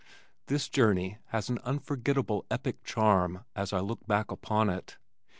This journey has an unforgettable epic charm as I look back upon it.